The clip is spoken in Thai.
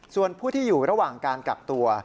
ส่วนผู้ที่อยู่ระหว่างการกักตัว